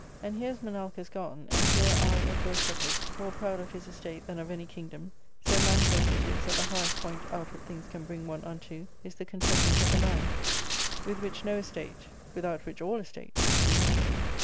And here is Menalcas gone, and here I a poor shepherd ; more proud of tliis estate than of any king /dom ; so manifest it is that the highest point outward things V/ can bring one unto is the contentment of the mind ; with \ which no estate — without which, all estates — be miserable.